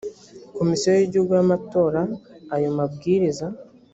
komisiyo y igihugu y amatora ayo mabwiriza